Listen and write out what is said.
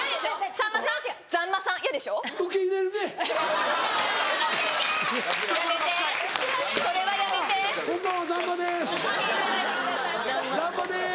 ざんまです。